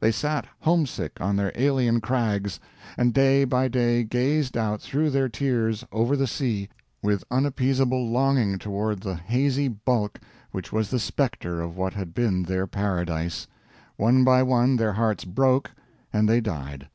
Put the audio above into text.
They sat homesick on their alien crags, and day by day gazed out through their tears over the sea with unappeasable longing toward the hazy bulk which was the specter of what had been their paradise; one by one their hearts broke and they died.